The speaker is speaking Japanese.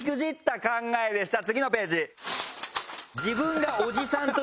次のページ。